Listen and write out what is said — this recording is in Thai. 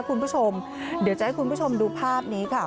คุณผู้ชมเดี๋ยวจะให้คุณผู้ชมดูภาพนี้ค่ะ